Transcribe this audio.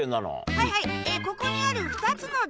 はいはいここにある。